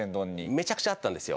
めちゃくちゃあったんですよ。